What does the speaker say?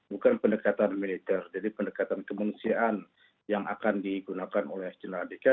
bukan pendekatan militer jadi pendekatan kemengusiaan yang akan digunakan oleh jendral adhika